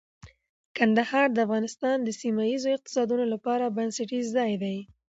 کندهار د افغانستان د سیمه ییزو اقتصادونو لپاره بنسټیز ځای دی.